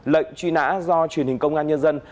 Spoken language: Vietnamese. lệnh truy nã do truyền hình công an nhân dân